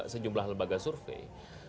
sejumlah lembaga survei